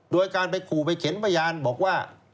โดยการไปขู่ไปเข็นพยานบอกว่า